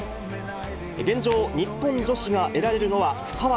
現状、日本女子が得られるのは２枠。